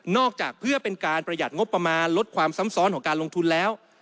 จากเพื่อเป็นการประหยัดงบประมาณลดความซ้ำซ้อนของการลงทุนแล้ว